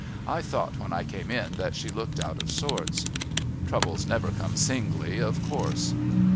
"I thought when I came in that she looked out of sorts. Troubles never come singly, of course."